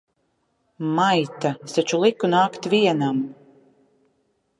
Maita! Es taču liku nākt vienam!